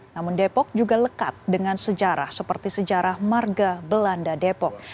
namun depok juga lekat dengan sejarah seperti sejarah marga belanda depok